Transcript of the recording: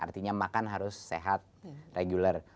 artinya makan harus sehat reguler